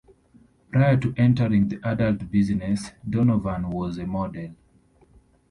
Prior to entering the Adult business, Donovan was a model.